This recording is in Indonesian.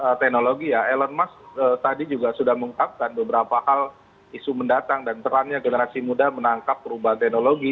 dan teknologi ya elon musk tadi juga sudah mengungkapkan beberapa hal isu mendatang dan terangnya generasi muda menangkap perubahan teknologi